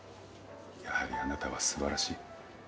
やはりあなたはすばらしい。